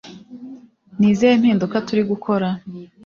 ni izihe mpinduka turi gukora